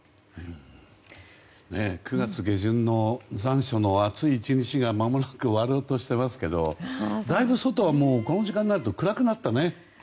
９月下旬の残暑の暑い１日がまもなく終わろうとしていますけどだいぶ外はこの時間になると暗くなったね。